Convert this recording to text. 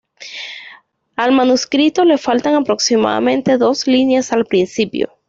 Al manuscrito le faltan aproximadamente dos líneas al principio.